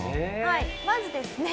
まずですね